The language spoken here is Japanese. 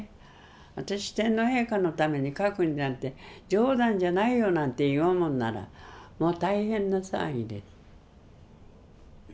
「私天皇陛下のために描くなんて冗談じゃないよ」なんて言おうもんならもう大変な騒ぎです。